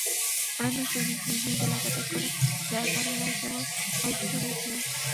অন্যান্য সৈনিক নিজ নিজ এলাকা ত্যাগ করে চলে যাবার পর এরাই কেবল অবশিষ্ট রয়েছিল।